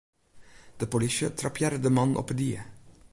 De polysje trappearre de mannen op 'e die.